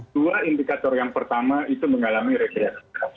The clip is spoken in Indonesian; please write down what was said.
dua indikator yang pertama itu mengalami rekreasi